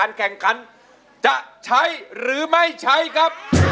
อย่างนี้คือไม่เอา